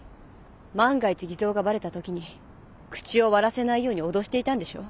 万が一偽造がバレたときに口を割らせないように脅していたんでしょ？